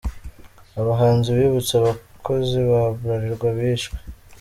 Abahanzi bibutse abakozi ba Bralirwa bishwe .